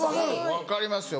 分かりますよ。